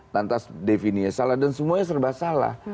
lantas defininya salah dan semuanya serba salah